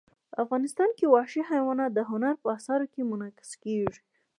افغانستان کې وحشي حیوانات د هنر په اثار کې منعکس کېږي.